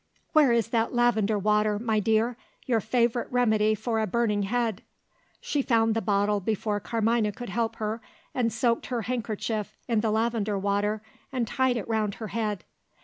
"Where is that lavender water, my dear your favourite remedy for a burning head?" She found the bottle before Carmina could help her, and soaked her handkerchief in the lavender water, and tied it round her head.